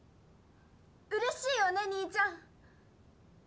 うれしいよね兄ちゃん。